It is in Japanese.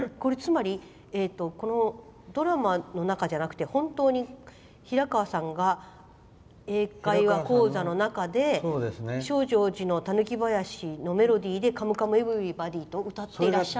つまり、ドラマの中じゃなくて本当に平川さんが英会話講座の中で「証城寺の狸囃子」のメロディーで「カムカムエヴリバディ」と歌ってらっしゃった。